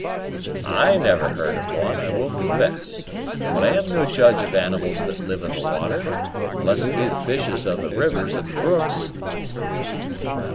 "I never heard of one, I will confess; but I am no judge of animals that live in the water, unless it be the fishes of the rivers and the brooks."